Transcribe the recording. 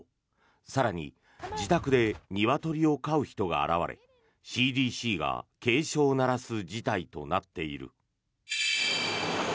更に、自宅でニワトリを飼う人が現れＣＤＣが警鐘を鳴らす事態となっている。